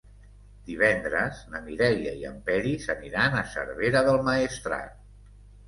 Divendres na Mireia i en Peris aniran a Cervera del Maestrat.